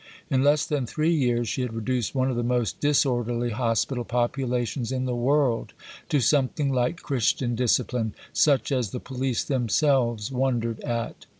In less than three years she had reduced one of the most disorderly hospital populations in the world to something like Christian discipline, such as the police themselves wondered at.